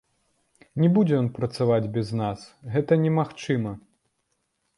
Не будзе ён працаваць без нас, гэта немагчыма.